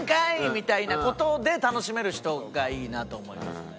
みたいな事で楽しめる人がいいなと思いますね。